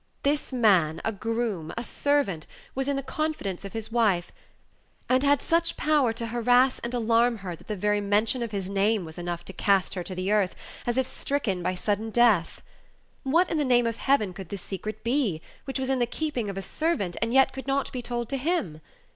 This man, a groom, a servant, was in the confidence of his wife, and had such power to harass and alarm her that the very mention of his name was enough to cast her to the earth, as if stricken by sudden death. What, in the name of Heaven, could this secret be, which was in the keeping of a servant, and yet could not be told to him?